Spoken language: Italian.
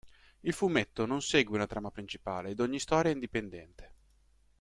Il fumetto non segue una trama principale ed ogni storia è indipendente.